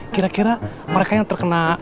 kira kira mereka yang terkena